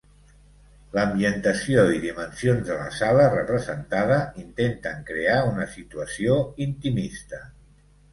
L'ambientació i dimensions de la sala representada intenten crear una situació intimista.